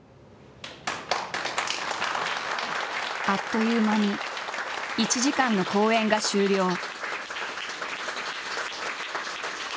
あっという間に１時間の公演が終了。